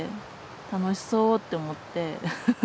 楽しそうって思って。